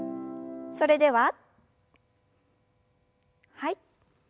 それでははい。